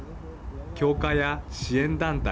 教会や支援団体